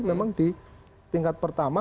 memang di tingkat pertama